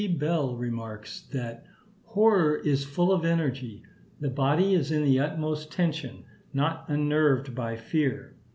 Bell remarks, that "horror is full of energy; the body is in the utmost tension, not unnerved by fear."